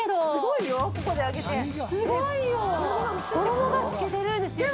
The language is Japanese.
すごいよ。